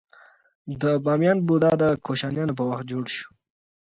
د بامیان بودا د کوشانیانو په وخت جوړ شو